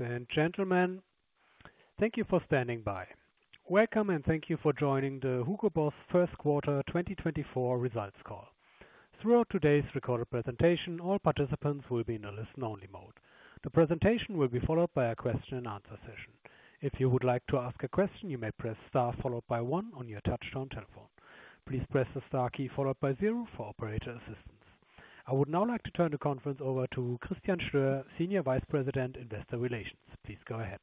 Ladies and gentlemen, thank you for standing by. Welcome, and thank you for joining the HUGO BOSS first quarter 2024 results call. Throughout today's recorded presentation, all participants will be in a listen-only mode. The presentation will be followed by a question and answer session. If you would like to ask a question, you may press star followed by one on your touchtone telephone. Please press the star key followed by zero for operator assistance. I would now like to turn the conference over to Christian Stoehr, Senior Vice President, Investor Relations. Please go ahead.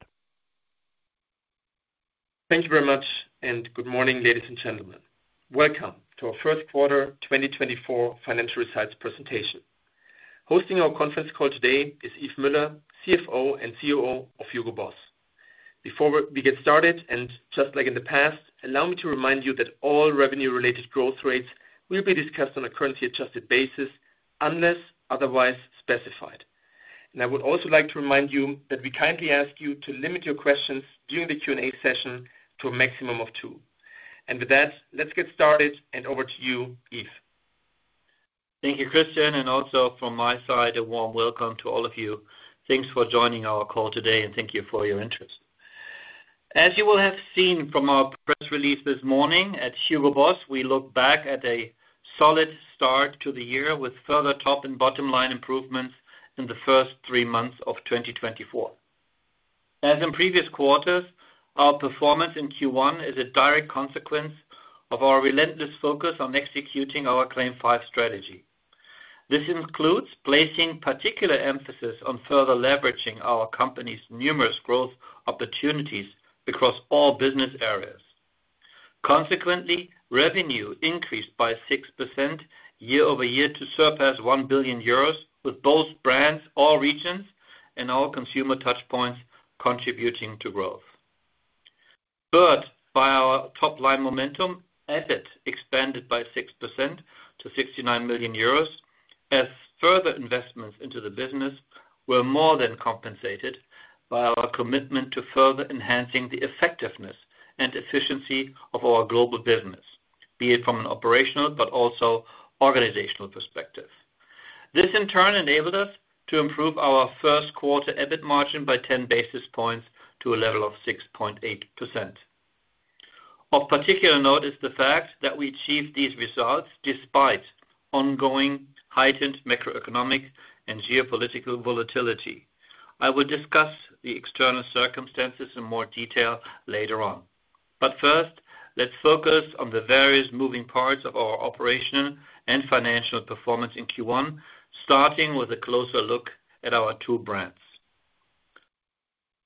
Thank you very much, and good morning, ladies and gentlemen. Welcome to our first quarter 2024 financial results presentation. Hosting our conference call today is Yves Müller, CFO and COO of HUGO BOSS. Before we get started, and just like in the past, allow me to remind you that all revenue-related growth rates will be discussed on a currency-adjusted basis, unless otherwise specified. I would also like to remind you that we kindly ask you to limit your questions during the Q&A session to a maximum of two. With that, let's get started, and over to you, Yves. Thank you, Christian, and also from my side, a warm welcome to all of you. Thanks for joining our call today, and thank you for your interest. As you will have seen from our press release this morning, at HUGO BOSS, we look back at a solid start to the year with further top and bottom line improvements in the first three months of 2024. As in previous quarters, our performance in Q1 is a direct consequence of our relentless focus on executing our CLAIM 5 strategy. This includes placing particular emphasis on further leveraging our company's numerous growth opportunities across all business areas. Consequently, revenue increased by 6% year-over-year to surpass 1 billion euros, with both brands, all regions, and all consumer touchpoints contributing to growth. But by our top line momentum, EBIT expanded by 6% to 69 million euros, as further investments into the business were more than compensated by our commitment to further enhancing the effectiveness and efficiency of our global business, be it from an operational but also organizational perspective. This, in turn, enabled us to improve our first quarter EBIT margin by 10 basis points to a level of 6.8%. Of particular note is the fact that we achieved these results despite ongoing heightened macroeconomic and geopolitical volatility. I will discuss the external circumstances in more detail later on. But first, let's focus on the various moving parts of our operational and financial performance in Q1, starting with a closer look at our two brands.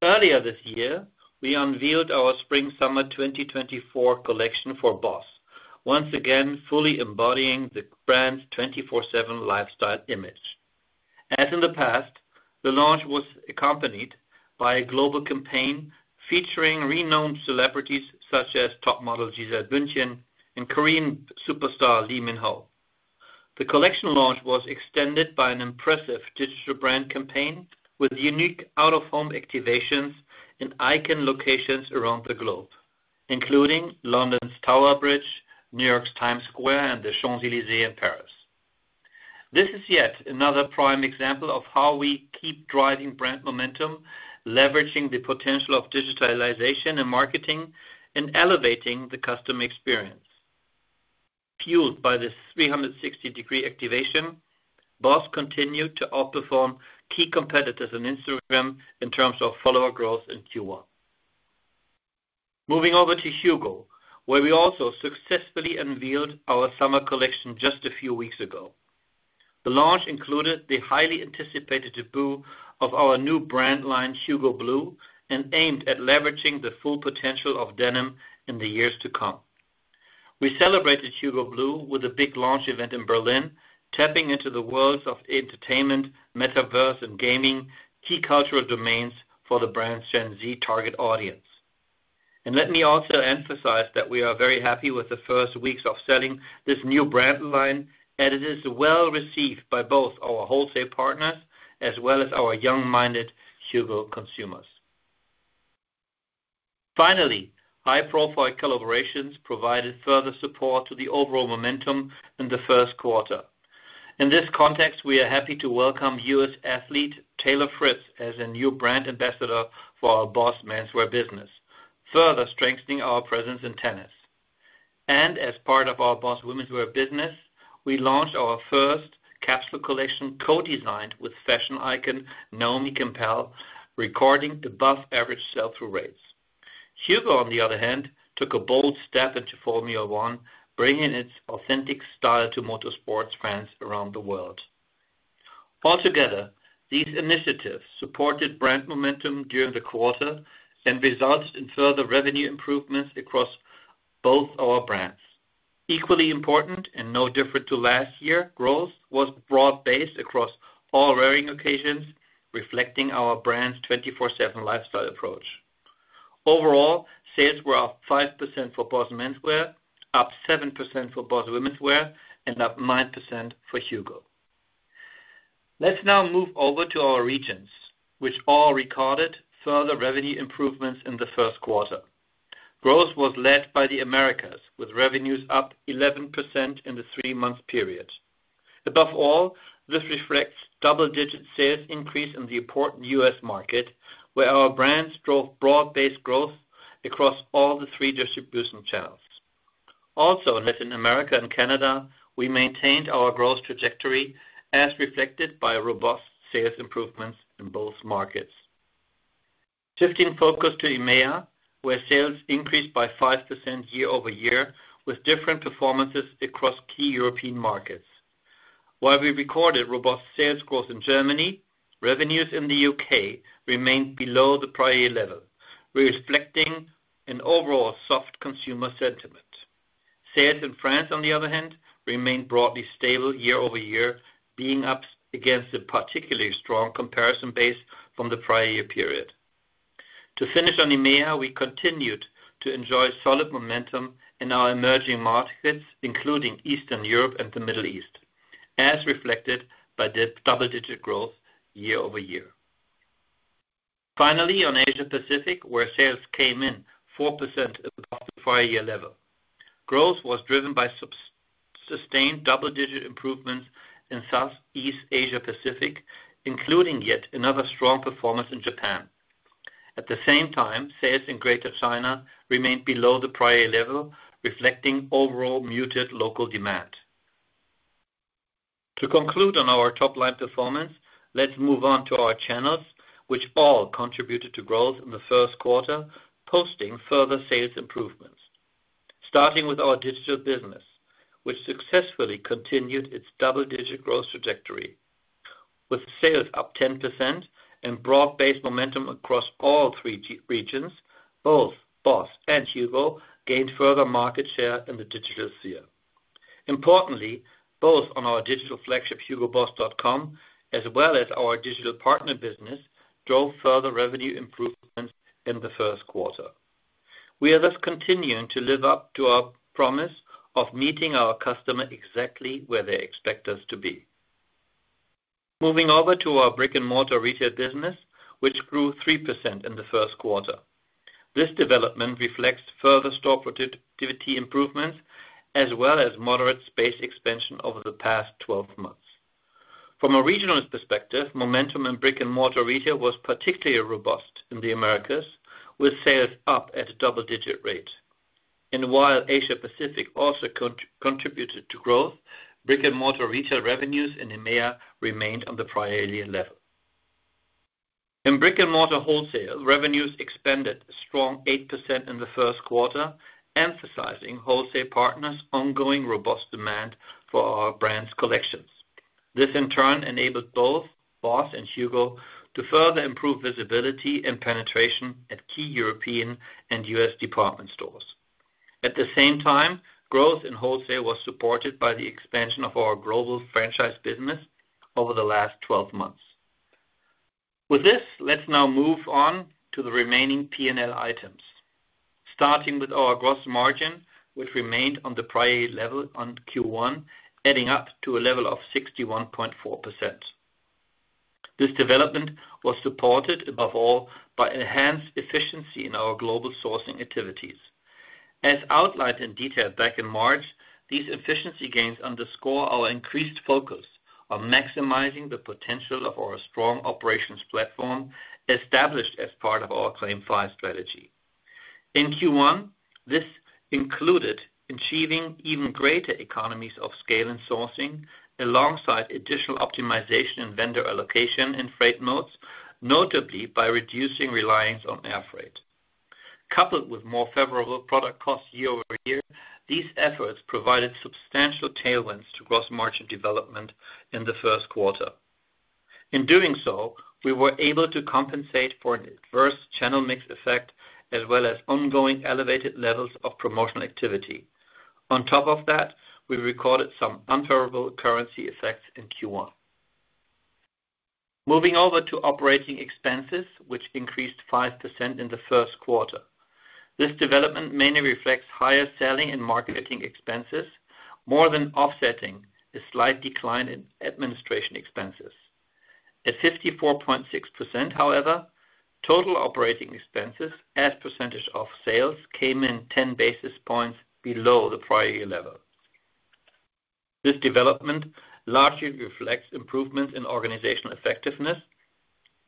Earlier this year, we unveiled our Spring/Summer 2024 collection for BOSS, once again, fully embodying the brand's 24/7 lifestyle image. As in the past, the launch was accompanied by a global campaign featuring renowned celebrities such as top model Gisele Bündchen and Korean superstar Lee Min-ho. The collection launch was extended by an impressive digital brand campaign with unique out-of-home activations in iconic locations around the globe, including London's Tower Bridge, New York's Times Square, and the Champs-Élysées in Paris. This is yet another prime example of how we keep driving brand momentum, leveraging the potential of digitalization and marketing, and elevating the customer experience. Fueled by this 360-degree activation, BOSS continued to outperform key competitors on Instagram in terms of follower growth in Q1. Moving over to HUGO, where we also successfully unveiled our summer collection just a few weeks ago. The launch included the highly anticipated debut of our new brand line, HUGO BLUE, and aimed at leveraging the full potential of denim in the years to come. We celebrated HUGO BLUE with a big launch event in Berlin, tapping into the worlds of entertainment, metaverse, and gaming, key cultural domains for the brand's Gen Z target audience. Let me also emphasize that we are very happy with the first weeks of selling this new brand line, and it is well received by both our wholesale partners as well as our young-minded HUGO consumers. Finally, high-profile collaborations provided further support to the overall momentum in the first quarter. In this context, we are happy to welcome U.S. athlete Taylor Fritz as a new brand ambassador for our BOSS Menswear business, further strengthening our presence in tennis. As part of our BOSS Womenswear business, we launched our first capsule collection, co-designed with fashion icon Naomi Campbell, recording above average sell-through rates. HUGO, on the other hand, took a bold step into Formula One, bringing its authentic style to motorsports fans around the world. Altogether, these initiatives supported brand momentum during the quarter and results in further revenue improvements across both our brands. Equally important, and no different to last year, growth was broad-based across all wearing occasions, reflecting our brand's 24/7 lifestyle approach. Overall, sales were up 5% for BOSS Menswear, up 7% for BOSS Womenswear, and up 9% for HUGO. Let's now move over to our regions, which all recorded further revenue improvements in the first quarter. Growth was led by the Americas, with revenues up 11% in the three-month period. Above all, this reflects double-digit sales increase in the important U.S. market, where our brands drove broad-based growth across all the three distribution channels. Also, in Latin America and Canada, we maintained our growth trajectory as reflected by robust sales improvements in both markets. Shifting focus to EMEA, where sales increased by 5% year-over-year, with different performances across key European markets. While we recorded robust sales growth in Germany, revenues in the U.K. remained below the prior year level, reflecting an overall soft consumer sentiment. Sales in France, on the other hand, remained broadly stable year-over-year, being up against a particularly strong comparison base from the prior year period. To finish on EMEA, we continued to enjoy solid momentum in our emerging markets, including Eastern Europe and the Middle East, as reflected by the double-digit growth year-over-year. Finally, on Asia Pacific, where sales came in 4% above the prior year level. Growth was driven by sustained double-digit improvements in Southeast Asia Pacific, including yet another strong performance in Japan. At the same time, sales in Greater China remained below the prior level, reflecting overall muted local demand. To conclude on our top line performance, let's move on to our channels, which all contributed to growth in the first quarter, posting further sales improvements. Starting with our digital business, which successfully continued its double-digit growth trajectory, with sales up 10% and broad-based momentum across all three regions, both BOSS and HUGO gained further market share in the digital sphere. Importantly, both on our digital flagship, hugoboss.com, as well as our digital partner business, drove further revenue improvements in the first quarter. We are thus continuing to live up to our promise of meeting our customer exactly where they expect us to be. Moving over to our brick-and-mortar retail business, which grew 3% in the first quarter. This development reflects further store productivity improvements, as well as moderate space expansion over the past 12 months. From a regional perspective, momentum in brick-and-mortar retail was particularly robust in the Americas, with sales up at a double-digit rate. And while Asia Pacific also contributed to growth, brick-and-mortar retail revenues in EMEA remained on the prior year level. In brick-and-mortar wholesale, revenues expanded a strong 8% in the first quarter, emphasizing wholesale partners' ongoing robust demand for our brands' collections. This, in turn, enabled both BOSS and HUGO to further improve visibility and penetration at key European and U.S. department stores. At the same time, growth in wholesale was supported by the expansion of our global franchise business over the last 12 months. With this, let's now move on to the remaining P&L items. Starting with our gross margin, which remained on the prior level in Q1, adding up to a level of 61.4%. This development was supported, above all, by enhanced efficiency in our global sourcing activities. As outlined in detail back in March, these efficiency gains underscore our increased focus on maximizing the potential of our strong operations platform, established as part of our CLAIM 5 strategy. In Q1, this included achieving even greater economies of scale and sourcing, alongside additional optimization and vendor allocation and freight modes, notably by reducing reliance on air freight. Coupled with more favorable product costs year-over-year, these efforts provided substantial tailwinds to gross margin development in the first quarter. In doing so, we were able to compensate for an adverse channel mix effect, as well as ongoing elevated levels of promotional activity. On top of that, we recorded some unfavorable currency effects in Q1. Moving over to operating expenses, which increased 5% in the first quarter. This development mainly reflects higher selling and marketing expenses, more than offsetting a slight decline in administration expenses. At 54.6%, however, total operating expenses as a percentage of sales came in 10 basis points below the prior year level. This development largely reflects improvements in organizational effectiveness,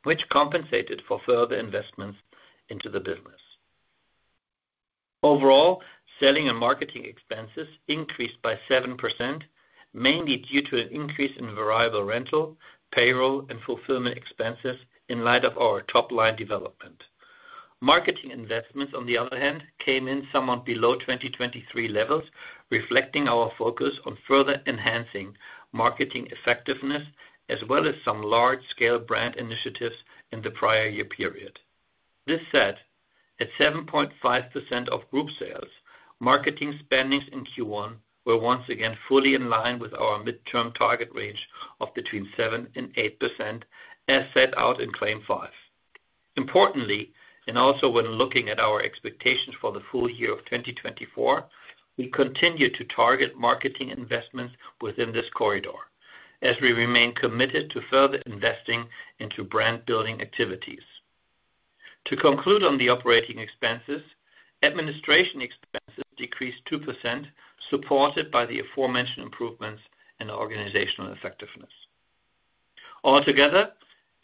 which compensated for further investments into the business. Overall, selling and marketing expenses increased by 7%, mainly due to an increase in variable rental, payroll, and fulfillment expenses in light of our top-line development. Marketing investments, on the other hand, came in somewhat below 2023 levels, reflecting our focus on further enhancing marketing effectiveness, as well as some large-scale brand initiatives in the prior year period. This said, at 7.5% of group sales, marketing spending in Q1 were once again fully in line with our mid-term target range of between 7% and 8%, as set out in CLAIM 5. Importantly, and also when looking at our expectations for the full year of 2024, we continue to target marketing investments within this corridor, as we remain committed to further investing into brand-building activities.... To conclude on the operating expenses, administration expenses decreased 2%, supported by the aforementioned improvements in organizational effectiveness. Altogether,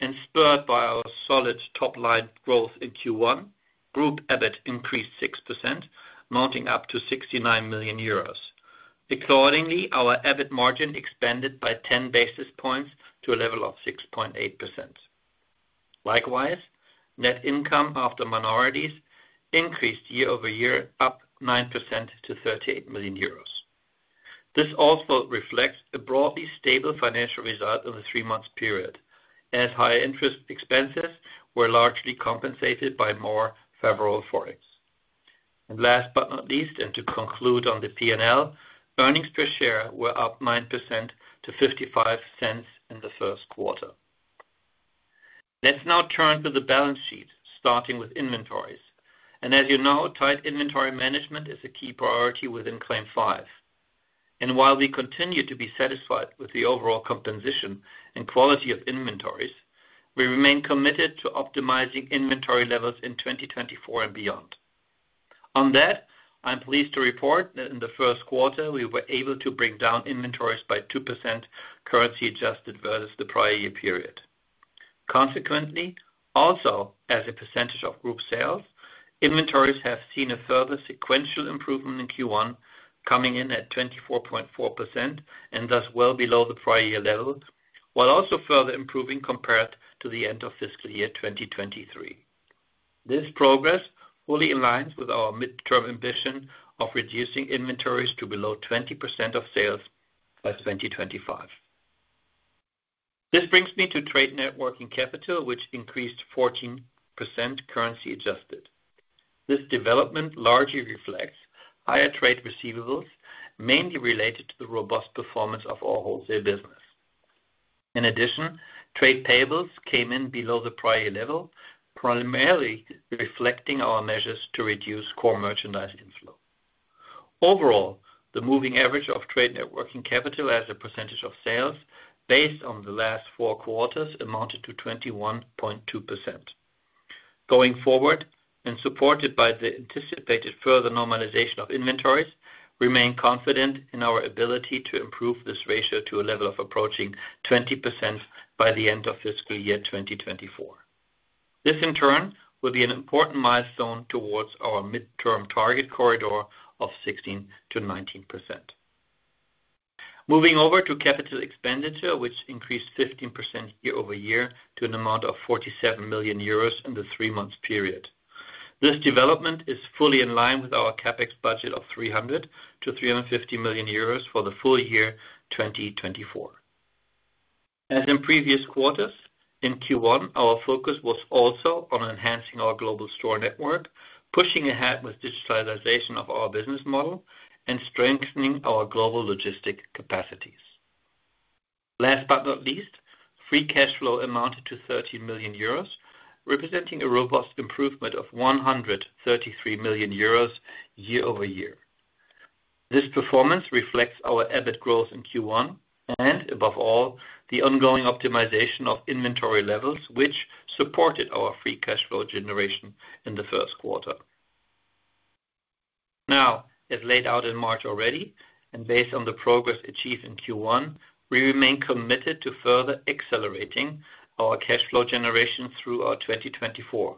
and spurred by our solid top-line growth in Q1, group EBIT increased 6%, mounting up to 69 million euros. Accordingly, our EBIT margin expanded by 10 basis points to a level of 6.8%. Likewise, net income after minorities increased year-over-year, up 9% to 38 million euros. This also reflects a broadly stable financial result over the three-month period, as higher interest expenses were largely compensated by more favorable forex. And last but not least, and to conclude on the P&L, earnings per share were up 9% to 0.55 in the first quarter. Let's now turn to the balance sheet, starting with inventories. As you know, tight inventory management is a key priority within CLAIM 5. While we continue to be satisfied with the overall composition and quality of inventories, we remain committed to optimizing inventory levels in 2024 and beyond. On that, I'm pleased to report that in the first quarter, we were able to bring down inventories by 2% currency adjusted versus the prior year period. Consequently, also, as a percentage of group sales, inventories have seen a further sequential improvement in Q1, coming in at 24.4%, and thus well below the prior year level, while also further improving compared to the end of fiscal year 2023. This progress fully aligns with our midterm ambition of reducing inventories to below 20% of sales by 2025. This brings me to trade net working capital, which increased 14% currency adjusted. This development largely reflects higher trade receivables, mainly related to the robust performance of our wholesale business. In addition, trade payables came in below the prior year level, primarily reflecting our measures to reduce core merchandise inflow. Overall, the moving average of Trade Net Working Capital as a percentage of sales based on the last four quarters amounted to 21.2%. Going forward, and supported by the anticipated further normalization of inventories, remain confident in our ability to improve this ratio to a level of approaching 20% by the end of fiscal year 2024. This, in turn, will be an important milestone towards our midterm target corridor of 16%-19%. Moving over to capital expenditure, which increased 15% year-over-year to an amount of 47 million euros in the three-month period. This development is fully in line with our CapEx budget of 300 million-350 million euros for the full year 2024. As in previous quarters, in Q1, our focus was also on enhancing our global store network, pushing ahead with digitalization of our business model and strengthening our global logistics capacities. Last but not least, free cash flow amounted to 30 million euros, representing a robust improvement of 133 million euros year-over-year. This performance reflects our EBIT growth in Q1 and above all, the ongoing optimization of inventory levels, which supported our free cash flow generation in the first quarter. Now, as laid out in March already, and based on the progress achieved in Q1, we remain committed to further accelerating our cash flow generation throughout 2024.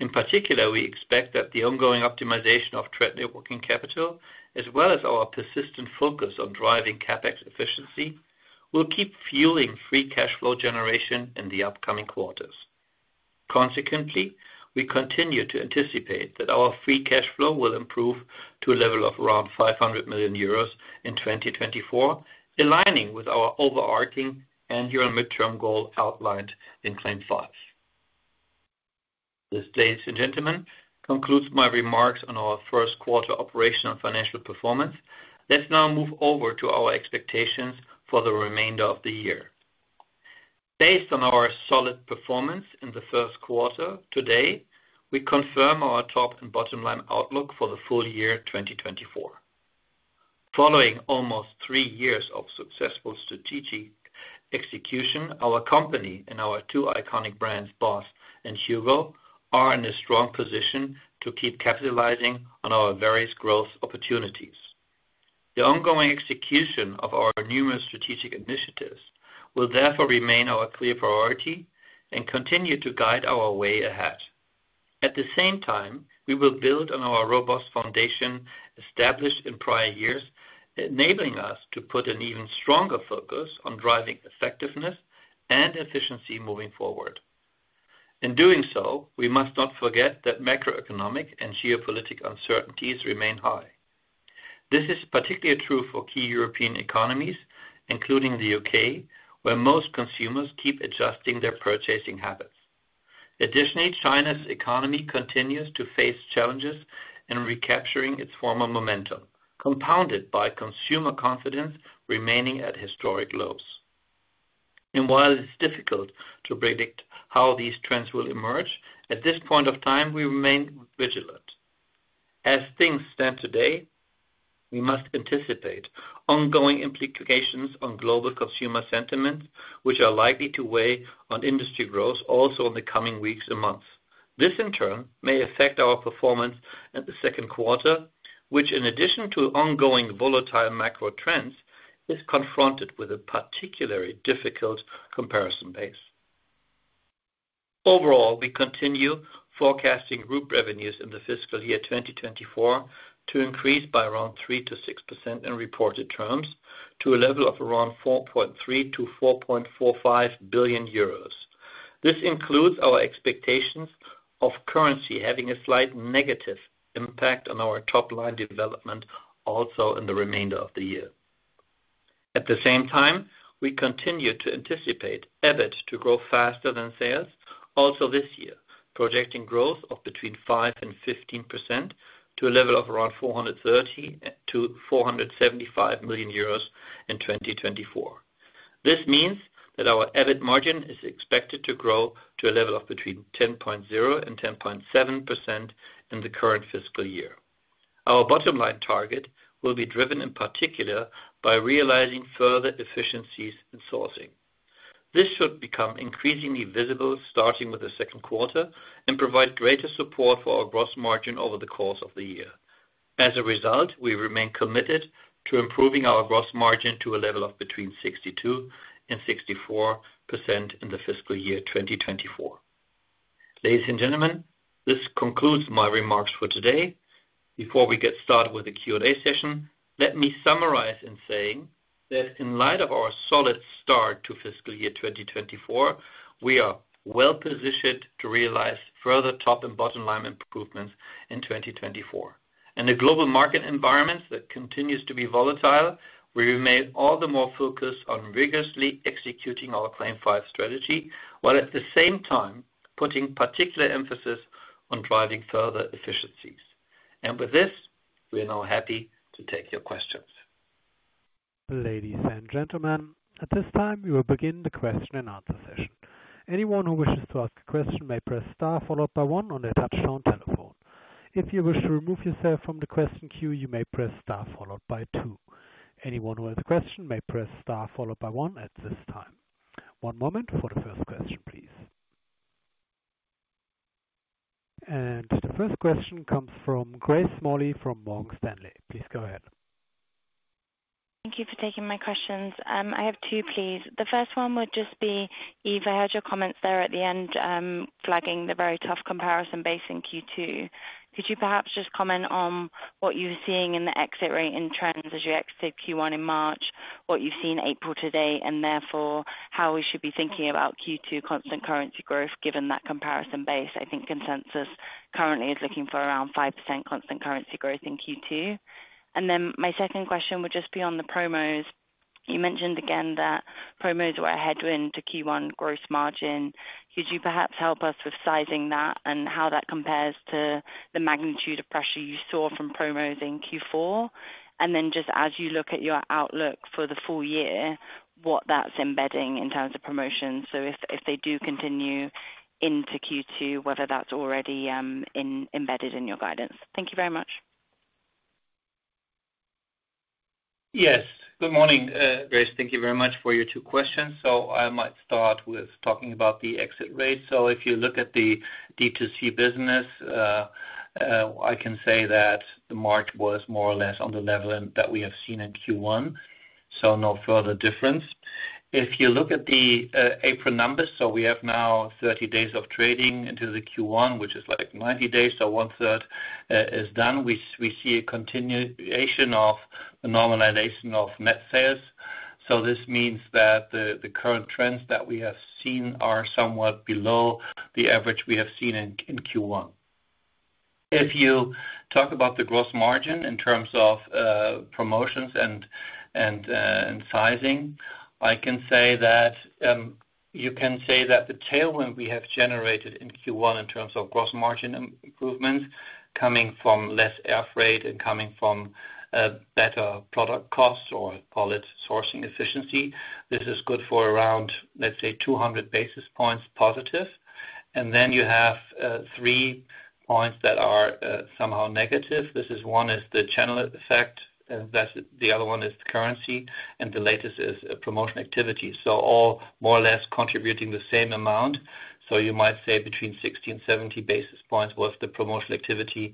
In particular, we expect that the ongoing optimization of trade net working capital, as well as our persistent focus on driving CapEx efficiency, will keep fueling free cash flow generation in the upcoming quarters. Consequently, we continue to anticipate that our free cash flow will improve to a level of around 500 million euros in 2024, aligning with our overarching and year-end midterm goal outlined in CLAIM 5. This, ladies and gentlemen, concludes my remarks on our first quarter operational and financial performance. Let's now move over to our expectations for the remainder of the year. Based on our solid performance in the first quarter, today, we confirm our top and bottom-line outlook for the full year 2024. Following almost 3 years of successful strategic execution, our company and our 2 iconic brands, BOSS and HUGO, are in a strong position to keep capitalizing on our various growth opportunities. The ongoing execution of our numerous strategic initiatives will therefore remain our clear priority and continue to guide our way ahead. At the same time, we will build on our robust foundation established in prior years, enabling us to put an even stronger focus on driving effectiveness and efficiency moving forward. In doing so, we must not forget that macroeconomic and geopolitical uncertainties remain high. This is particularly true for key European economies, including the U.K., where most consumers keep adjusting their purchasing habits. Additionally, China's economy continues to face challenges in recapturing its former momentum, compounded by consumer confidence remaining at historic lows. And while it's difficult to predict how these trends will emerge, at this point of time, we remain vigilant. As things stand today, we must anticipate ongoing implications on global consumer sentiment, which are likely to weigh on industry growth also in the coming weeks and months. This, in turn, may affect our performance in the second quarter, which, in addition to ongoing volatile macro trends, is confronted with a particularly difficult comparison base. Overall, we continue forecasting group revenues in the fiscal year 2024 to increase by around 3%-6% in reported terms, to a level of around 4.3 billion-4.45 billion euros. This includes our expectations of currency having a slight negative impact on our top line development also in the remainder of the year. At the same time, we continue to anticipate EBIT to grow faster than sales also this year, projecting growth of between 5% and 15% to a level of around 430 million-475 million euros in 2024. This means that our EBIT margin is expected to grow to a level of between 10.0% and 10.7% in the current fiscal year. Our bottom line target will be driven, in particular, by realizing further efficiencies in sourcing. This should become increasingly visible starting with the second quarter and provide greater support for our gross margin over the course of the year. As a result, we remain committed to improving our gross margin to a level of between 62% and 64% in the fiscal year 2024. Ladies and gentlemen, this concludes my remarks for today. Before we get started with the Q&A session, let me summarize in saying that in light of our solid start to fiscal year 2024, we are well-positioned to realize further top and bottom line improvements in 2024. In a global market environment that continues to be volatile, we remain all the more focused on rigorously executing our CLAIM 5 strategy, while at the same time putting particular emphasis on driving further efficiencies. With this, we are now happy to take your questions. Ladies and gentlemen, at this time, we will begin the question and answer session. Anyone who wishes to ask a question may press star followed by one on their touchtone telephone. If you wish to remove yourself from the question queue, you may press star followed by two. Anyone who has a question may press star followed by one at this time. One moment for the first question, please. The first question comes from Grace Smalley from Morgan Stanley. Please go ahead. Thank you for taking my questions. I have two, please. The first one would just be, Yves, I heard your comments there at the end, flagging the very tough comparison base in Q2. Could you perhaps just comment on what you're seeing in the exit rate and trends as you exit Q1 in March, what you see in April today, and therefore how we should be thinking about Q2 constant currency growth, given that comparison base? I think consensus currently is looking for around 5% constant currency growth in Q2. And then my second question would just be on the promos. You mentioned again that promos were a headwind to Q1 gross margin. Could you perhaps help us with sizing that and how that compares to the magnitude of pressure you saw from promos in Q4? Then just as you look at your outlook for the full year, what that's embedding in terms of promotions. So if, if they do continue into Q2, whether that's already embedded in your guidance. Thank you very much. Yes, good morning, Grace. Thank you very much for your two questions. So I might start with talking about the exit rate. So if you look at the DTC business, I can say that the market was more or less on the level that we have seen in Q1, so no further difference. If you look at the April numbers, so we have now 30 days of trading into the Q1, which is like 90 days. So once that is done, we see a continuation of the normalization of net sales. So this means that the current trends that we have seen are somewhat below the average we have seen in Q1. If you talk about the gross margin in terms of promotions and sizing, I can say that you can say that the tailwind we have generated in Q1 in terms of gross margin improvement, coming from less air freight and coming from better product costs, or call it sourcing efficiency, this is good for around, let's say, 200 basis points positive. And then you have three points that are somehow negative. This is one, is the channel effect, and that's the other one is currency, and the latest is promotion activity. So all more or less contributing the same amount. So you might say between 60 and 70 basis points was the promotional activity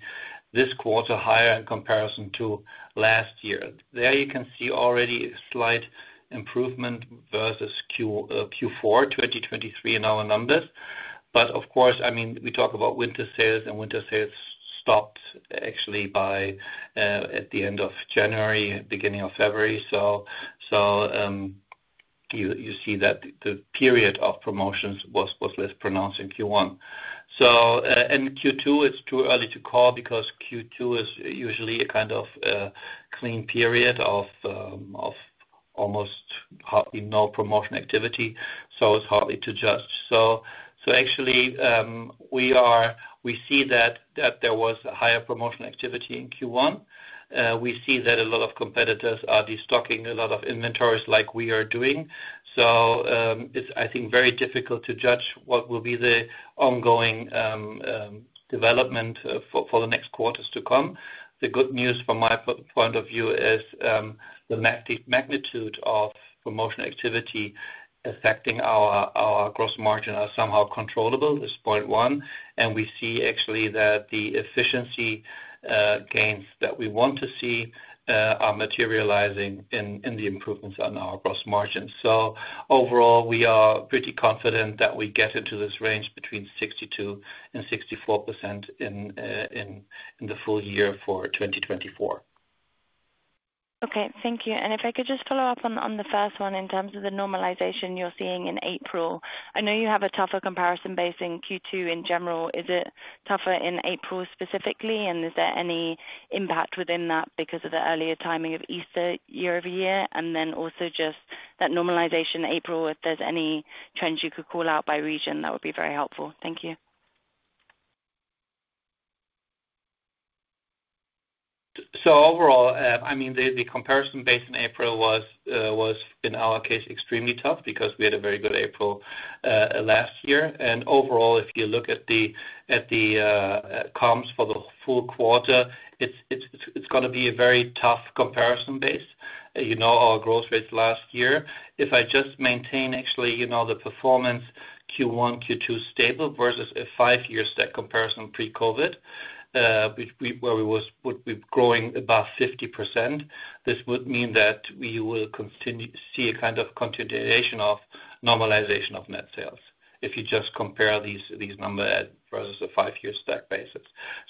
this quarter, higher in comparison to last year. There you can see already a slight improvement versus Q4 2023 in our numbers. But of course, I mean, we talk about winter sales, and winter sales stopped actually by at the end of January, beginning of February. So you see that the period of promotions was less pronounced in Q1. So in Q2, it's too early to call because Q2 is usually a kind of clean period of almost hardly no promotion activity, so it's hardly to judge. So actually, we see that there was a higher promotional activity in Q1. We see that a lot of competitors are destocking a lot of inventories like we are doing. So it's, I think, very difficult to judge what will be the ongoing development for the next quarters to come.... The good news from my point of view is, the magnitude of promotional activity affecting our gross margin is somehow controllable, is point one. We see actually that the efficiency gains that we want to see are materializing in the improvements on our gross margin. Overall, we are pretty confident that we get into this range between 62% and 64% in the full year for 2024. Okay, thank you. And if I could just follow up on the first one in terms of the normalization you're seeing in April. I know you have a tougher comparison base in Q2 in general. Is it tougher in April specifically, and is there any impact within that because of the earlier timing of Easter year over year? And then also just that normalization in April, if there's any trends you could call out by region, that would be very helpful. Thank you. So overall, I mean, the comparison base in April was, in our case, extremely tough because we had a very good April last year. And overall, if you look at the comps for the full quarter, it's gonna be a very tough comparison base. You know, our growth rates last year. If I just maintain actually, you know, the performance Q1, Q2 stable versus a five-year stack comparison pre-COVID, we would be growing above 50%, this would mean that we will continue to see a kind of continuation of normalization of net sales. If you just compare these numbers versus a five-year stack basis.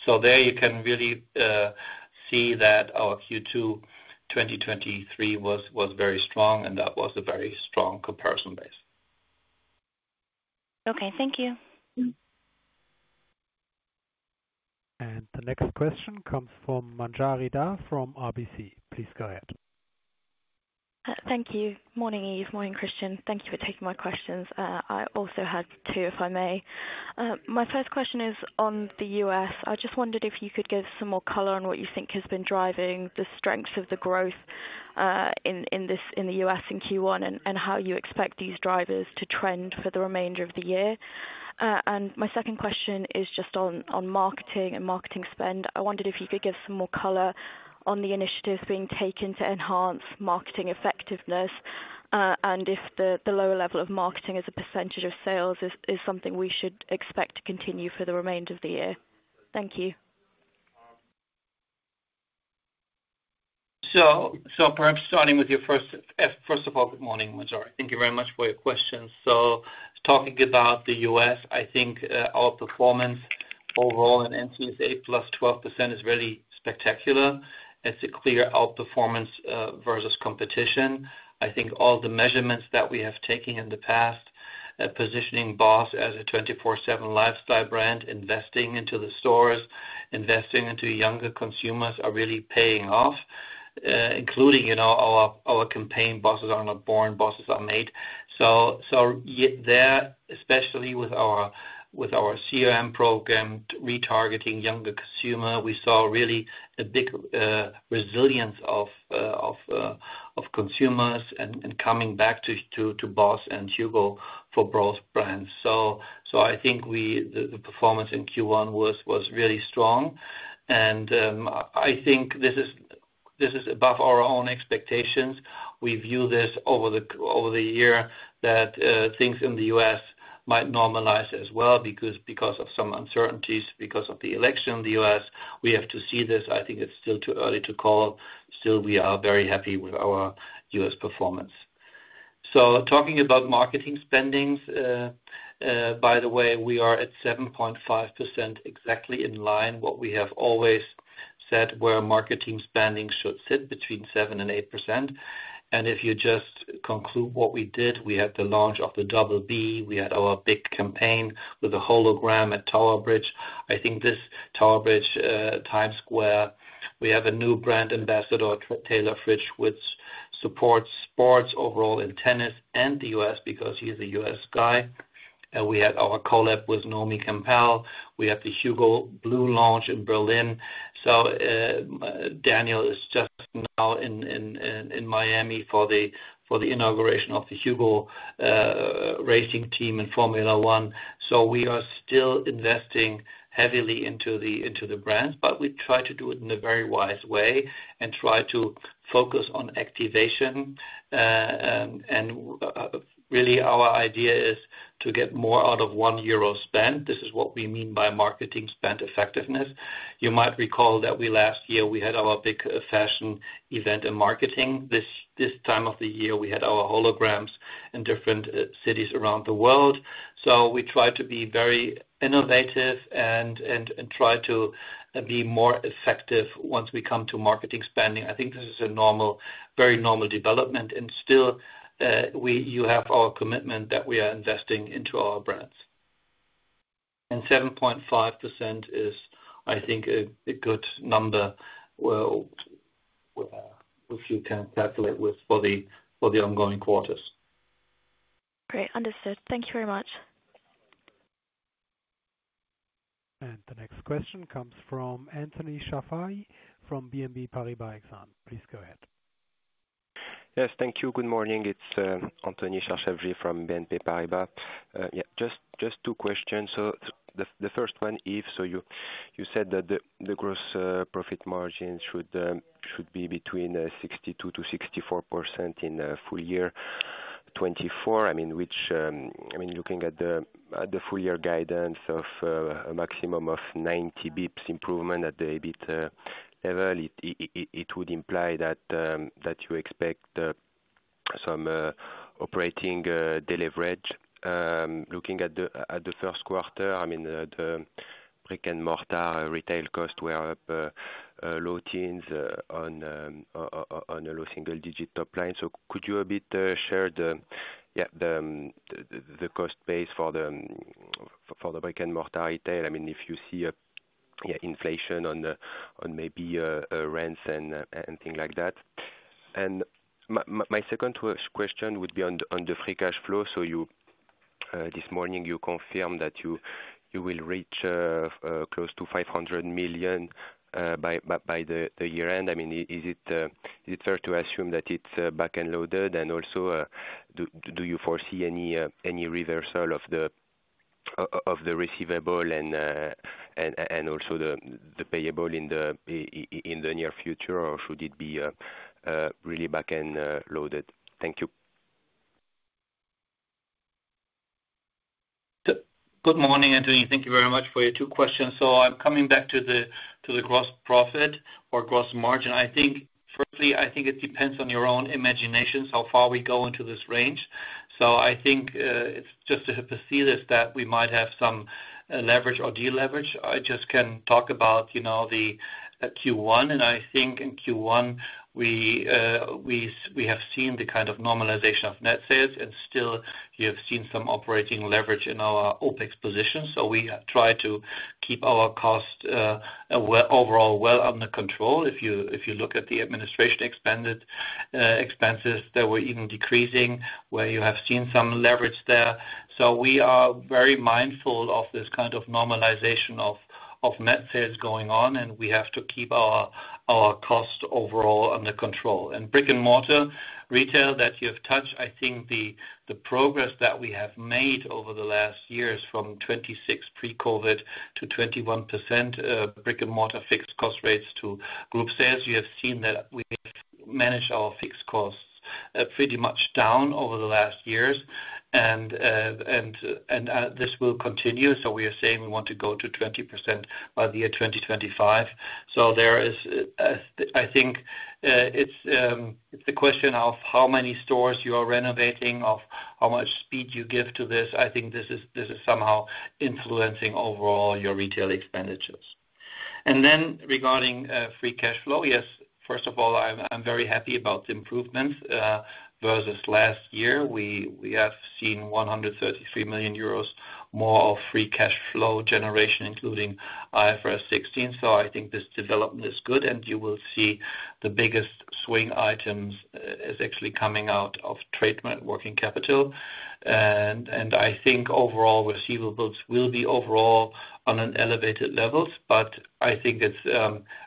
So there you can really see that our Q2 2023 was very strong, and that was a very strong comparison base. Okay, thank you. The next question comes from Manjari Dhar from RBC. Please go ahead. Thank you. Morning, Yves, morning, Christian. Thank you for taking my questions. I also had two, if I may. My first question is on the U.S. I just wondered if you could give some more color on what you think has been driving the strength of the growth in the U.S. in Q1, and how you expect these drivers to trend for the remainder of the year. And my second question is just on marketing and marketing spend. I wondered if you could give some more color on the initiatives being taken to enhance marketing effectiveness, and if the lower level of marketing as a percentage of sales is something we should expect to continue for the remainder of the year. Thank you. First of all, good morning, Manjari. Thank you very much for your questions. So talking about the U.S., I think our performance overall in the U.S. is 8% + 12% is really spectacular. It's a clear outperformance versus competition. I think all the measurements that we have taken in the past positioning BOSS as a 24/7 lifestyle brand, investing into the stores, investing into younger consumers, are really paying off, including, you know, our campaign, BOSSes are not born, BOSSes are made. So there, especially with our CRM program, retargeting younger consumer, we saw really a big resilience of consumers and coming back to BOSS and HUGO for both brands. So I think the performance in Q1 was really strong. I think this is, this is above our own expectations. We view this over the, over the year, that things in the U.S. might normalize as well, because of some uncertainties, because of the election in the U.S. We have to see this. I think it's still too early to call. Still, we are very happy with our U.S. performance. Talking about marketing spending, by the way, we are at 7.5%, exactly in line what we have always said, where marketing spending should sit between 7% and 8%. And if you just conclude what we did, we had the launch of the Double B. We had our big campaign with a hologram at Tower Bridge. I think this Tower Bridge, Times Square. We have a new brand ambassador, Taylor Fritz, which supports sports overall in tennis and the U.S., because he is a U.S. guy. We had our collab with Naomi Campbell. We have the HUGO BLUE launch in Berlin. So, Daniel is just now in Miami for the inauguration of the HUGO racing team in Formula One. So we are still investing heavily into the brands, but we try to do it in a very wise way and try to focus on activation. And really our idea is to get more out of 1 euro spend. This is what we mean by marketing spend effectiveness. You might recall that we last year, we had our big fashion event in marketing. This time of the year, we had our holograms in different cities around the world. So we try to be very innovative and try to be more effective once we come to marketing spending. I think this is a normal, very normal development. And still, you have our commitment that we are investing into our brands. And 7.5% is, I think, a good number, well, which you can calculate with for the ongoing quarters. Great. Understood. Thank you very much. The next question comes from Anthony Charchafji, from BNP Paribas Exane. Please go ahead. ... Yes, thank you. Good morning, it's Anthony Charchafji from BNP Paribas. Yeah, just two questions. So the first one, Yves, so you said that the gross profit margin should be between 62%-64% in full year 2024. I mean, looking at the full year guidance of a maximum of 90 basis points improvement at the EBIT level, it would imply that you expect some operating deleverage. Looking at the first quarter, I mean, the brick-and-mortar retail costs were up low teens on a low single-digit top line. So could you share the cost base for the brick-and-mortar retail? I mean, if you see a, yeah, inflation on the, on maybe, rents and, and things like that. And my second question would be on the, on the free cash flow. So you this morning you confirmed that you will reach close to 500 million by the year end. I mean, is it fair to assume that it's back-end loaded? And also, do you foresee any reversal of the of the receivable and, and also the payable in the in the near future, or should it be really back-end loaded? Thank you. Good morning, Anthony. Thank you very much for your two questions. So I'm coming back to the, to the gross profit or gross margin. I think, firstly, I think it depends on your own imagination, how far we go into this range. So I think, it's just a hypothesis that we might have some, leverage or deleverage. I just can talk about, you know, the, Q1, and I think in Q1, we, we have seen the kind of normalization of net sales, and still you have seen some operating leverage in our OpEx position. So we try to keep our costs, overall well under control. If you, if you look at the administrative expenses, they were even decreasing, where you have seen some leverage there. So we are very mindful of this kind of normalization of net sales going on, and we have to keep our costs overall under control. And brick-and-mortar retail that you have touched, I think the progress that we have made over the last years from 26% pre-COVID to 21% brick-and-mortar fixed cost rates to group sales, you have seen that we manage our fixed costs pretty much down over the last years. And this will continue. So we are saying we want to go to 20% by the year 2025. So there is, I think, it's a question of how many stores you are renovating, of how much speed you give to this. I think this is, this is somehow influencing overall your retail expenditures. And then regarding free cash flow, yes, first of all, I'm very happy about the improvements versus last year. We have seen 133 million euros more of free cash flow generation, including IFRS 16. So I think this development is good, and you will see the biggest swing items is actually coming out of trade working capital. And I think overall receivables will be overall on an elevated levels, but I think it's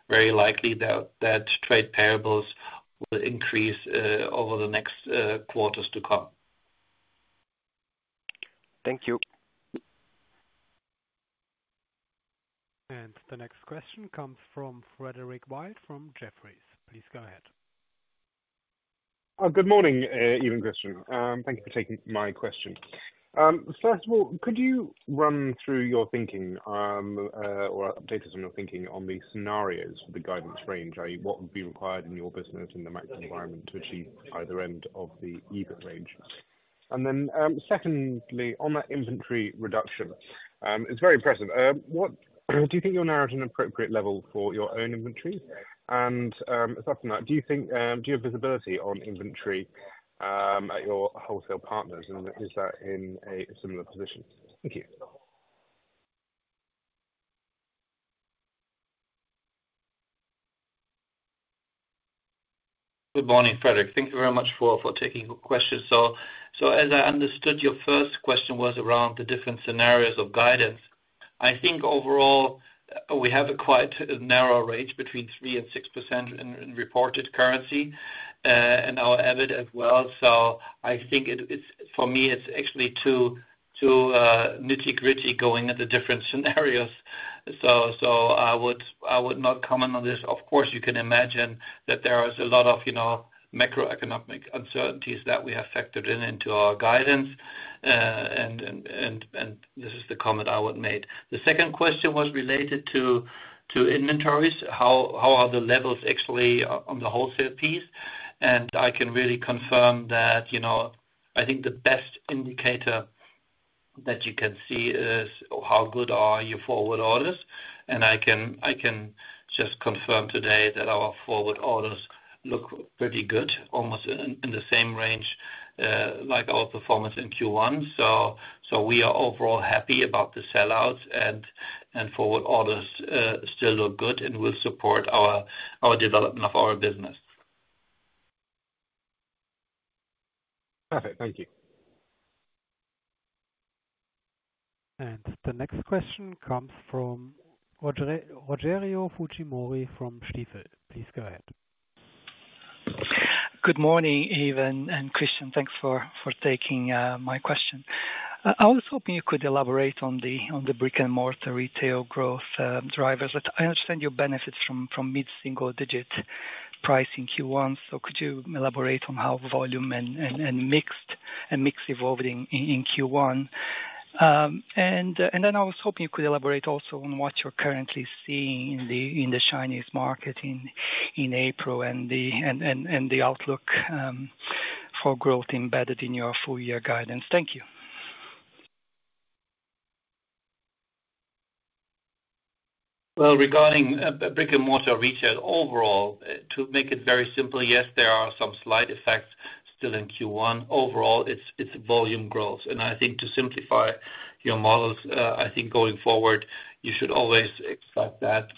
very likely that trade payables will increase over the next quarters to come. Thank you. The next question comes from Frederick Wild, from Jefferies. Please go ahead. Good morning, Yves and Christian. Thank you for taking my question. First of all, could you run through your thinking, or update us on your thinking on the scenarios for the guidance range, i.e., what would be required in your business and the macro environment to achieve either end of the EBIT range? And then, secondly, on that inventory reduction, it's very impressive. What do you think you're now at an appropriate level for your own inventory? And, apart from that, do you think, do you have visibility on inventory at your wholesale partners, and is that in a similar position? Thank you. Good morning, Frederick. Thank you very much for taking questions. So as I understood, your first question was around the different scenarios of guidance. I think overall, we have a quite narrow range, between 3% and 6% in reported currency, and our EBIT as well. So I think it's, for me, it's actually too nitty-gritty going into different scenarios. So I would not comment on this. Of course, you can imagine that there is a lot of, you know, macroeconomic uncertainties that we have factored in into our guidance. And this is the comment I would make. The second question was related to inventories. How are the levels actually on the wholesale piece? And I can really confirm that, you know, I think the best indicator that you can see is how good are your forward orders. And I can just confirm today that our forward orders look pretty good, almost in the same range, like our performance in Q1. So we are overall happy about the sell-out and forward orders still look good and will support our development of our business. Perfect. Thank you.... The next question comes from Roger, Rogerio Fujimori from Stifel. Please go ahead. Good morning, Yves and Christian. Thanks for taking my question. I was hoping you could elaborate on the brick-and-mortar retail growth drivers. I understand you benefit from mid-single digit pricing Q1, so could you elaborate on how volume and mix evolved in Q1? And then I was hoping you could elaborate also on what you're currently seeing in the Chinese market in April and the outlook for growth embedded in your full year guidance. Thank you. Well, regarding the brick-and-mortar retail overall, to make it very simple, yes, there are some slight effects still in Q1. Overall, it's volume growth. And I think to simplify your models, I think going forward, you should always expect that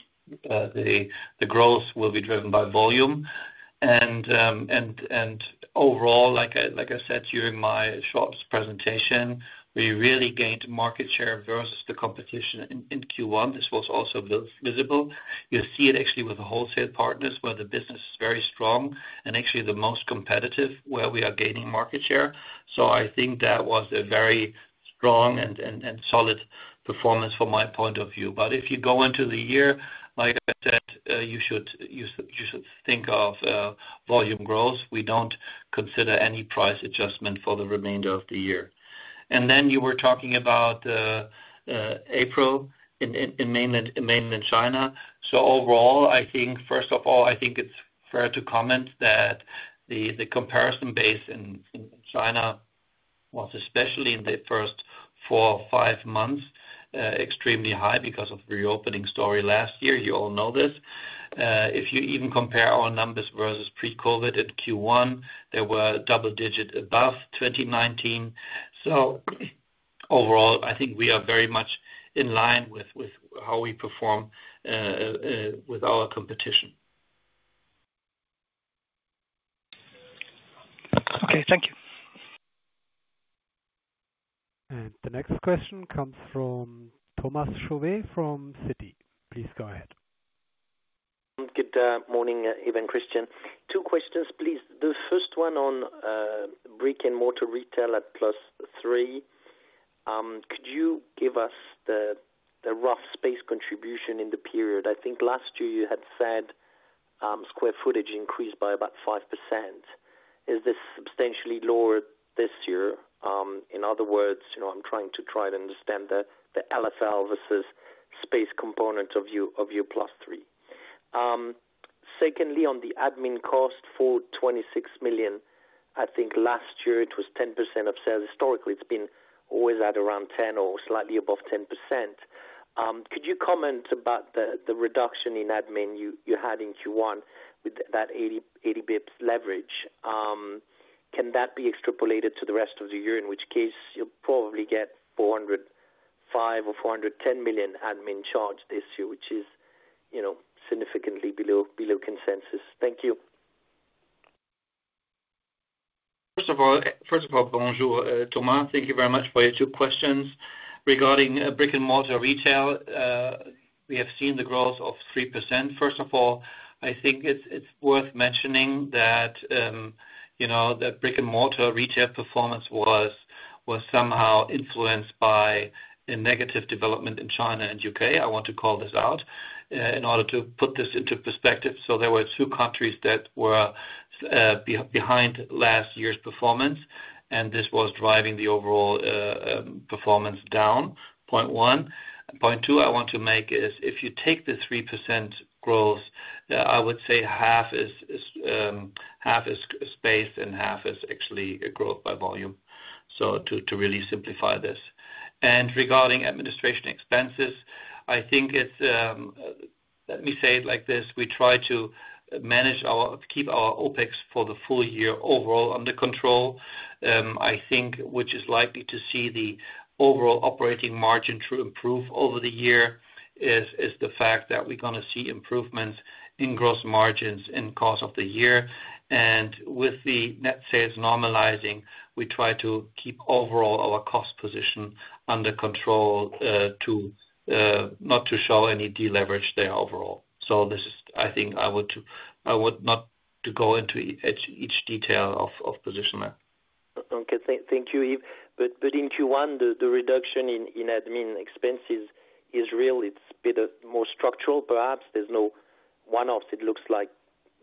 the growth will be driven by volume. And, and overall, like I said during my short presentation, we really gained market share versus the competition in Q1. This was also visible. You'll see it actually with the wholesale partners, where the business is very strong and actually the most competitive, where we are gaining market share. So I think that was a very strong and solid performance from my point of view. But if you go into the year, like I said, you should think of volume growth. We don't consider any price adjustment for the remainder of the year. And then you were talking about April in Mainland China. So overall, I think first of all, I think it's fair to comment that the comparison base in China was especially in the first four or five months extremely high because of the reopening story last year. You all know this. If you even compare our numbers versus pre-COVID at Q1, they were double-digit above 2019. So overall, I think we are very much in line with how we perform with our competition. Okay, thank you. The next question comes from Thomas Chauvet, from Citi. Please go ahead. Good morning, Yves and Christian. Two questions, please. The first one on brick-and-mortar retail at +3. Could you give us the rough space contribution in the period? I think last year you had said square footage increased by about 5%. Is this substantially lower this year? In other words, you know, I'm trying to understand the LSL versus space component of your +3. Secondly, on the admin cost for 26 million, I think last year it was 10% of sales. Historically, it's been always at around 10% or slightly above 10%. Could you comment about the reduction in admin you had in Q1 with that 80 basis points leverage? Can that be extrapolated to the rest of the year, in which case you'll probably get 405 million or 410 million admin charge this year, which is, you know, significantly below consensus. Thank you. First of all, bonjour, Thomas. Thank you very much for your two questions. Regarding brick-and-mortar retail, we have seen the growth of 3%. First of all, I think it's worth mentioning that, you know, that brick-and-mortar retail performance was somehow influenced by a negative development in China and U.K. I want to call this out in order to put this into perspective. So there were two countries that were behind last year's performance, and this was driving the overall performance down, point one. Point two I want to make is if you take the 3% growth, I would say half is space and half is actually a growth by volume. So to really simplify this. Regarding administration expenses, I think it's, let me say it like this: We try to keep our OpEx for the full year overall under control. I think, which is likely to see the overall operating margin to improve over the year, is the fact that we're gonna see improvements in gross margins in course of the year. And with the net sales normalizing, we try to keep overall our cost position under control, to not to show any deleverage there overall. So this is, I think I would not to go into each detail of position there. Okay, thank you, Yves. But in Q1, the reduction in admin expenses is real. It's a bit more structural. Perhaps there's no one else. It looks like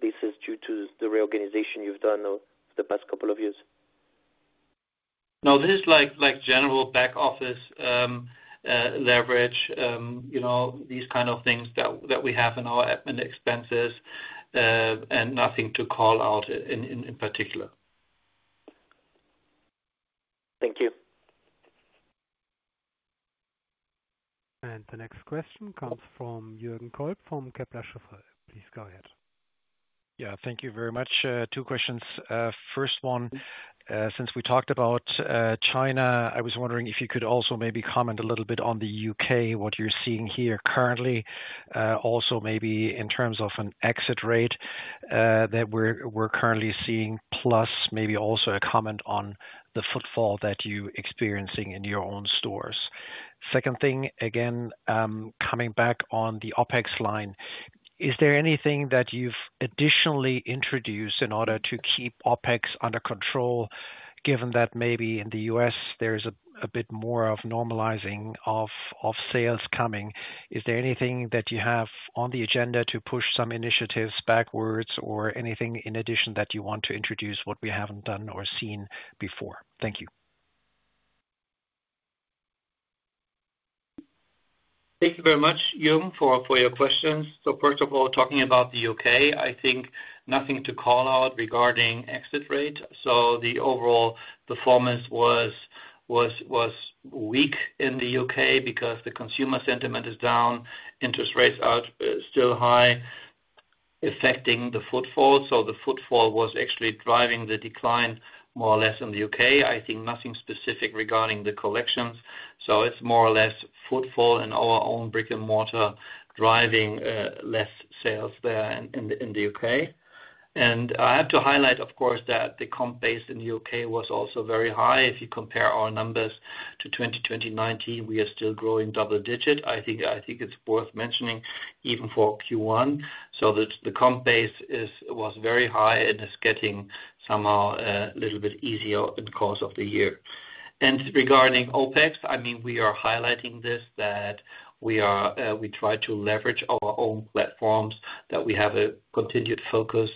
this is due to the reorganization you've done over the past couple of years. No, this is like general back office leverage, you know, these kind of things that we have in our admin expenses, and nothing to call out in particular. Thank you. The next question comes from Jürgen Kolb, from Kepler Cheuvreux. Please go ahead. Yeah, thank you very much. Two questions. First one, since we talked about China, I was wondering if you could also maybe comment a little bit on the U.K., what you're seeing here currently. Also, maybe in terms of an exit rate, that we're currently seeing, plus maybe also a comment on the footfall that you're experiencing in your own stores. Second thing, again, coming back on the OpEx line. Is there anything that you've additionally introduced in order to keep OpEx under control, given that maybe in the U.S. there is a bit more of normalizing of sales coming? Is there anything that you have on the agenda to push some initiatives backwards or anything in addition that you want to introduce what we haven't done or seen before? Thank you. Thank you very much, Jürgen, for your questions. So first of all, talking about the U.K., I think nothing to call out regarding exit rate. So the overall performance was weak in the U.K. because the consumer sentiment is down, interest rates are still high, affecting the footfall. So the footfall was actually driving the decline more or less in the U.K. I think nothing specific regarding the collections, so it's more or less footfall in our own brick-and-mortar, driving less sales there in the U.K. And I have to highlight, of course, that the comp base in the U.K. was also very high. If you compare our numbers to 2019, we are still growing double-digit. I think it's worth mentioning, even for Q1, so that the comp base is, was very high and it's getting somehow a little bit easier in the course of the year. Regarding OpEx, I mean, we are highlighting this, that we are, we try to leverage our own platforms, that we have a continued focus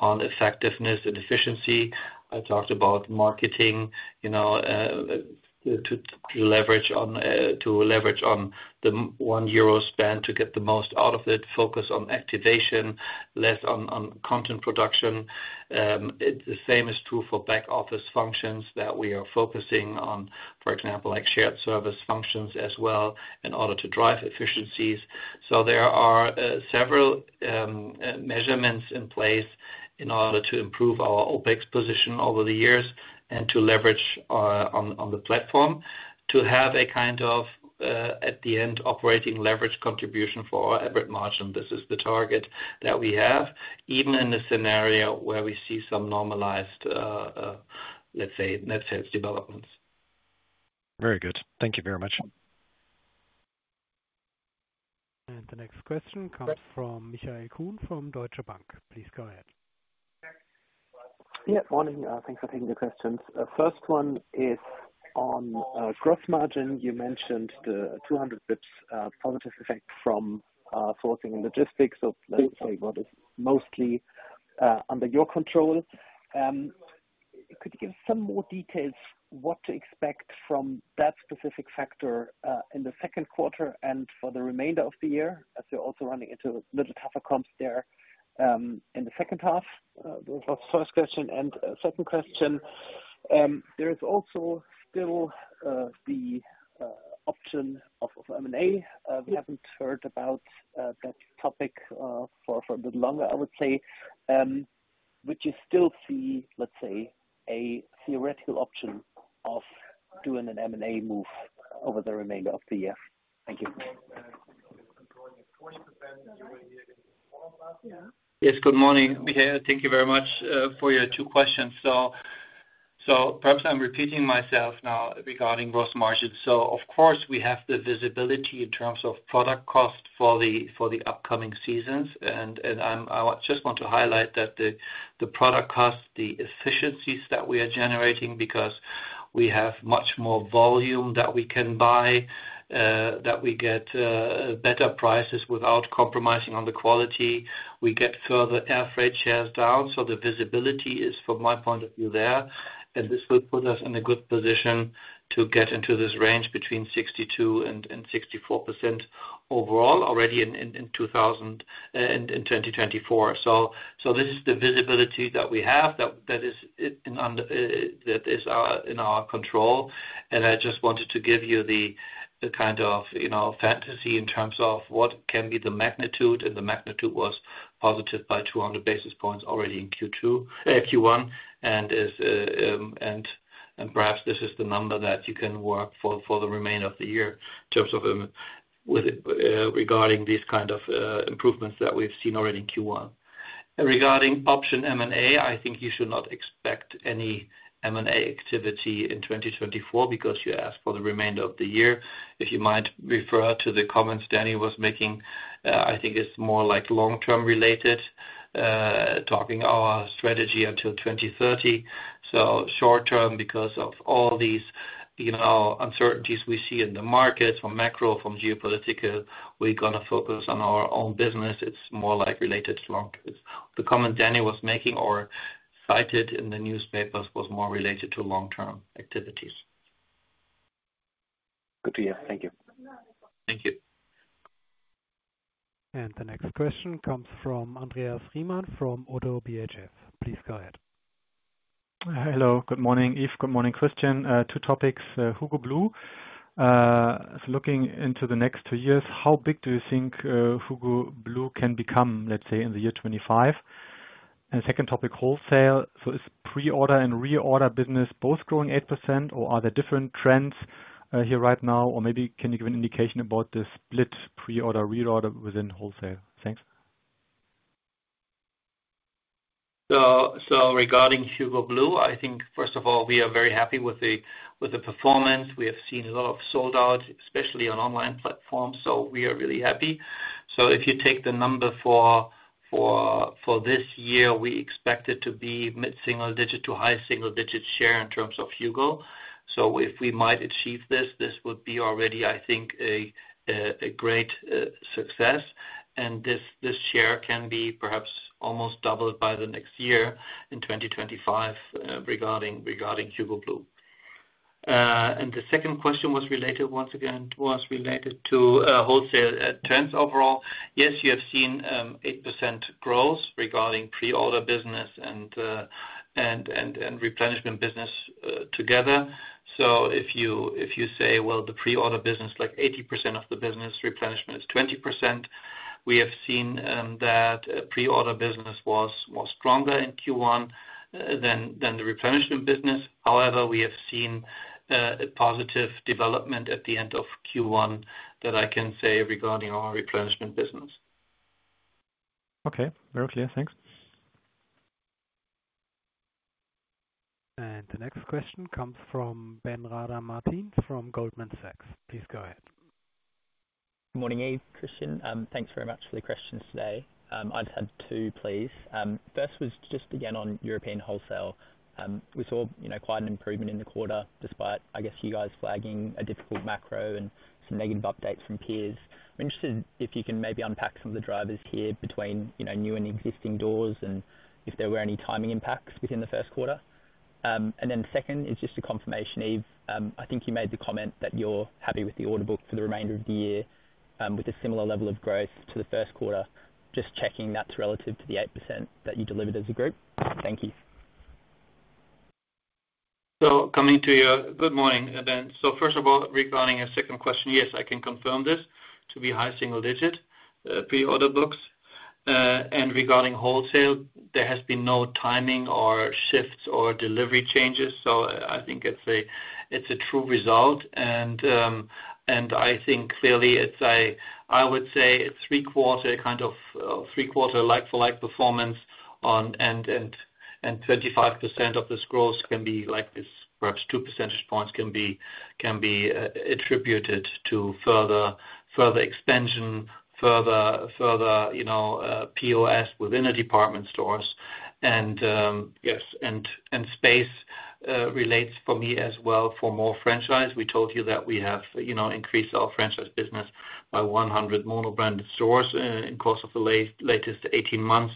on effectiveness and efficiency. I talked about marketing, you know, to, to leverage on, to leverage on the one euro spend, to get the most out of it, focus on activation, less on, on content production. The same is true for back office functions that we are focusing on, for example, like, shared service functions as well, in order to drive efficiencies. There are several measurements in place in order to improve our OpEx position over the years and to leverage on the platform to have a kind of at the end operating leverage contribution for our EBIT margin. This is the target that we have, even in a scenario where we see some normalized, let's say, net sales developments. Very good. Thank you very much. The next question comes from Michael Kuhn, from Deutsche Bank. Please go ahead. Yeah, morning. Thanks for taking the questions. First one is on gross margin. You mentioned the 200 basis points positive effect from sourcing and logistics, so let's say what is mostly under your control. Could you give some more details what to expect from that specific factor in the second quarter and for the remainder of the year, as you're also running into a little tougher comps there in the second half? That was first question, and second question, there is also still the option of M&A. We haven't heard about that topic for a bit longer, I would say. Would you still see, let's say, a theoretical option of doing an M&A move over the remainder of the year? Thank you. Yes, good morning, Michael. Thank you very much for your two questions. So, perhaps I'm repeating myself now regarding gross margins. So of course, we have the visibility in terms of product cost for the upcoming seasons. And I just want to highlight that the product cost, the efficiencies that we are generating, because we have much more volume that we can buy that we get better prices without compromising on the quality. We get further air freight shares down, so the visibility is, from my point of view, there. And this will put us in a good position to get into this range between 62% and 64% overall, already in 2024. So this is the visibility that we have, that is in our control. And I just wanted to give you the kind of, you know, fantasy in terms of what can be the magnitude, and the magnitude was positive by 200 basis points already in Q1. And perhaps this is the number that you can work for the remainder of the year, in terms of regarding these kind of improvements that we've seen already in Q1. Regarding option M&A, I think you should not expect any M&A activity in 2024, because you asked for the remainder of the year. If you might refer to the comments Danny was making, I think it's more like long-term related, talking our strategy until 2030. Short term, because of all these, you know, uncertainties we see in the markets, from macro, from geopolitical, we're gonna focus on our own business. It's more like related to long term. The comment Danny was making or cited in the newspapers was more related to long-term activities. Good to hear. Thank you. Thank you. The next question comes from Andreas Riemann, from Oddo BHF. Please go ahead. Hello, good morning, Yves, good morning, Christian. Two topics. HUGO BLUE. Looking into the next two years, how big do you think HUGO BLUE can become, let's say, in the year 2025? And second topic, wholesale. So is pre-order and re-order business both growing 8%, or are there different trends here right now? Or maybe can you give an indication about the split pre-order, re-order within wholesale? Thanks.... So regarding HUGO BLUE, I think first of all, we are very happy with the performance. We have seen a lot of sold out, especially on online platforms, so we are really happy. So if you take the number for this year, we expect it to be mid-single digit to high single digit share in terms of HUGO. So if we might achieve this, this would be already, I think, a great success. And this share can be perhaps almost doubled by the next year in 2025, regarding HUGO BLUE. And the second question was related once again to wholesale trends overall. Yes, you have seen 8% growth regarding pre-order business and replenishment business together. So if you, if you say, well, the pre-order business, like 80% of the business, replenishment is 20%, we have seen that pre-order business was, was stronger in Q1 than, than the replenishment business. However, we have seen a positive development at the end of Q1 that I can say regarding our replenishment business. Okay, very clear. Thanks. And the next question comes from Ben Rada Martin, from Goldman Sachs. Please go ahead. Good morning, Yves, Christian. Thanks very much for the questions today. I just have two, please. First was just again, on European wholesale. We saw, you know, quite an improvement in the quarter, despite, I guess, you guys flagging a difficult macro and some negative updates from peers. I'm interested if you can maybe unpack some of the drivers here between, you know, new and existing doors, and if there were any timing impacts within the first quarter. And then second is just a confirmation, Yves. I think you made the comment that you're happy with the order book for the remainder of the year, with a similar level of growth to the first quarter. Just checking that's relative to the 8% that you delivered as a group? Thank you. So coming to you. Good morning, Ben. So first of all, regarding your second question, yes, I can confirm this to be high single digit pre-order books. And regarding wholesale, there has been no timing or shifts or delivery changes, so I think it's a true result. And I think clearly it's a... I would say a three-quarter, kind of, three-quarter like-for-like performance on, and 35% of this growth can be like this, perhaps two percentage points can be attributed to further extension, further, you know, POS within the department stores. And yes, and space relates for me as well for more franchise. We told you that we have, you know, increased our franchise business by 100 monobrand stores in course of the latest 18 months.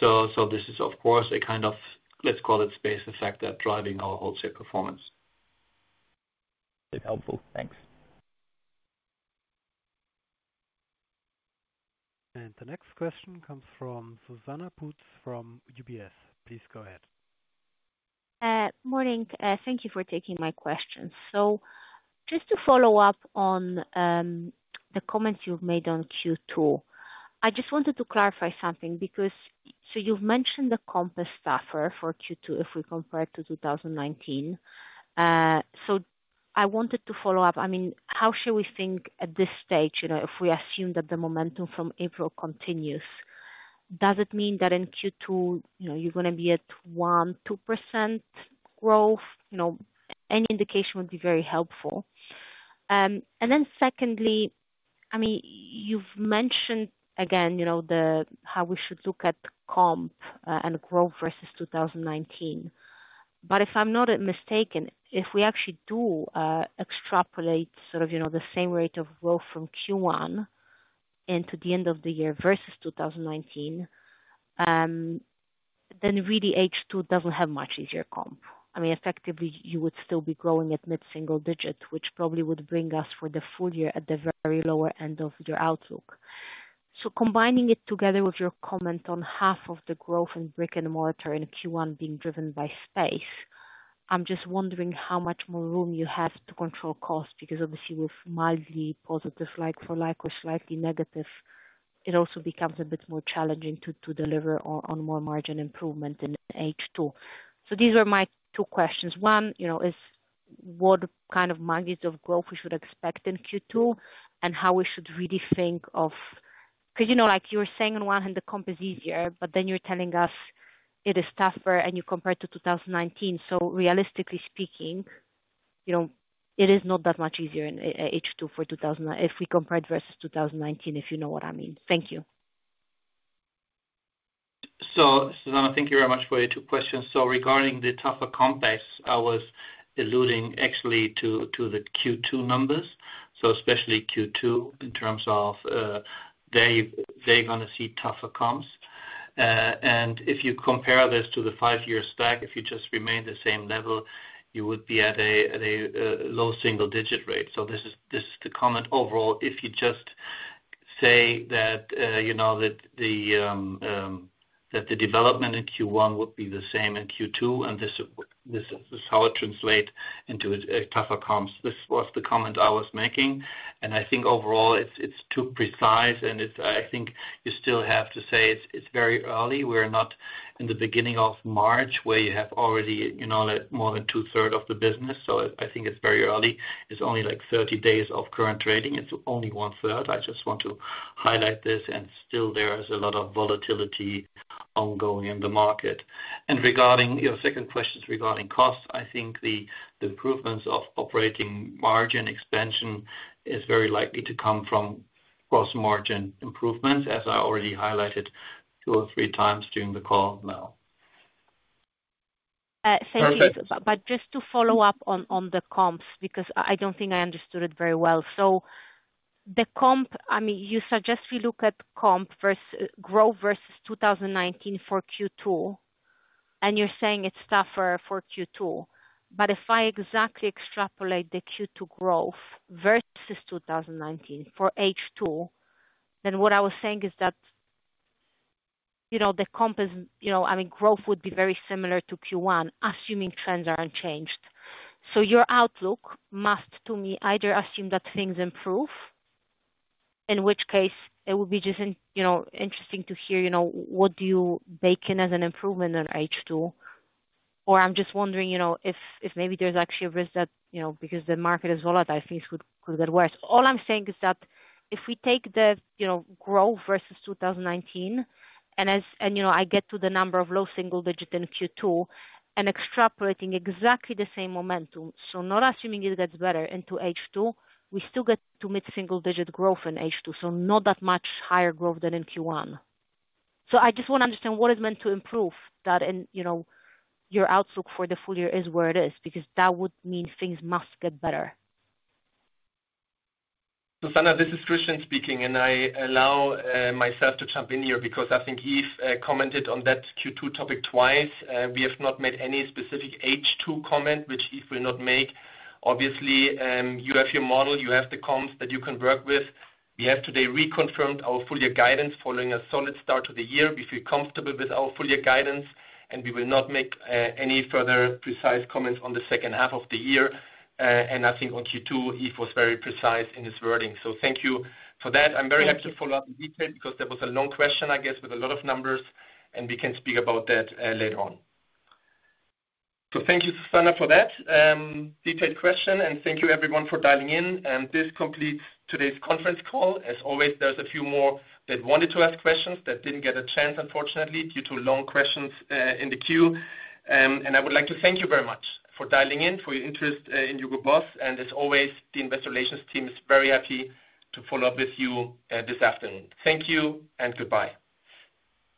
So, this is of course a kind of, let's call it space effect that driving our wholesale performance. It's helpful. Thanks. The next question comes from Zuzanna Pusz, from UBS. Please go ahead. Morning. Thank you for taking my questions. So just to follow up on the comments you've made on Q2, I just wanted to clarify something because... So you've mentioned the comp is tougher for Q2 if we compare it to 2019. So I wanted to follow up. I mean, how should we think at this stage, you know, if we assume that the momentum from April continues, does it mean that in Q2, you know, you're gonna be at 1%-2% growth? You know, any indication would be very helpful. And then secondly, I mean, you've mentioned again, you know, how we should look at comp and growth versus 2019. But if I'm not mistaken, if we actually do extrapolate, sort of, you know, the same rate of growth from Q1 into the end of the year versus 2019, then really, H2 doesn't have much easier comp. I mean, effectively, you would still be growing at mid-single digits, which probably would bring us for the full year at the very lower end of your outlook. So combining it together with your comment on half of the growth in brick-and-mortar in Q1 being driven by space, I'm just wondering how much more room you have to control costs, because obviously, with mildly positive like for like or slightly negative, it also becomes a bit more challenging to deliver on more margin improvement in H2. So these are my two questions. One, you know, is what kind of margins of growth we should expect in Q2, and how we should really think of... Because, you know, like you were saying, on one hand, the comp is easier, but then you're telling us it is tougher and you compare it to 2019. So realistically speaking, you know, it is not that much easier in H2 for 2,000... If we compare versus 2019, if you know what I mean. Thank you. So Susanna, thank you very much for your two questions. So regarding the tougher comps, I was alluding actually to the Q2 numbers. So especially Q2 in terms of, they're gonna see tougher comps. And if you compare this to the five-year stack, if you just remain the same level, you would be at a low single digit rate. So this is the comment overall. If you just say that, you know, that the development in Q1 would be the same in Q2, and this is how it translate into a tougher comps. This was the comment I was making, and I think overall it's too precise, and it's. I think you still have to say it's very early. We are not in the beginning of March, where you have already, you know, like, more than 2/3 of the business. So I think it's very early. It's only, like, 30 days of current trading. It's only 1/3. I just want to highlight this, and still there is a lot of volatility-... ongoing in the market. Regarding your second question, regarding costs, I think the improvements of operating margin expansion is very likely to come from gross margin improvements, as I already highlighted two or three times during the call now. Thank you. Perfect. But just to follow up on the comps, because I don't think I understood it very well. So the comp, I mean, you suggest we look at comp versus growth versus 2019 for Q2, and you're saying it's tougher for Q2. But if I exactly extrapolate the Q2 growth versus 2019 for H2, then what I was saying is that, you know, the comp is, you know, I mean, growth would be very similar to Q1, assuming trends are unchanged. So your outlook must, to me, either assume that things improve, in which case it would be just in, you know, interesting to hear, you know, what do you bake in as an improvement in H2? Or I'm just wondering, you know, if, if maybe there's actually a risk that, you know, because the market is volatile, things could, could get worse. All I'm saying is that if we take the, you know, growth versus 2019, and, you know, I get to the number of low single-digit in Q2 and extrapolating exactly the same momentum, so not assuming it gets better into H2, we still get to mid-single-digit growth in H2, so not that much higher growth than in Q1. So I just want to understand what is meant to improve that and, you know, your outlook for the full year is where it is, because that would mean things must get better. Susanna, this is Christian speaking, and I allow myself to jump in here because I think Yves commented on that Q2 topic twice. We have not made any specific H2 comment, which Yves will not make. Obviously, you have your model, you have the comps that you can work with. We have today reconfirmed our full year guidance following a solid start to the year. We feel comfortable with our full year guidance, and we will not make any further precise comments on the second half of the year. And I think on Q2, Yves was very precise in his wording. So thank you for that. Thank you. I'm very happy to follow up in detail because that was a long question, I guess, with a lot of numbers, and we can speak about that later on. So thank you, Susanna, for that detailed question, and thank you everyone for dialing in. And this completes today's conference call. As always, there's a few more that wanted to ask questions that didn't get a chance, unfortunately, due to long questions in the queue. And I would like to thank you very much for dialing in, for your interest in HUGO BOSS, and as always, the investor relations team is very happy to follow up with you this afternoon. Thank you and goodbye.